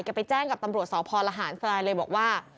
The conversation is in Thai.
แกไปแจ้งกับตำรวจสอพรหารสไลน์เลยบอกว่า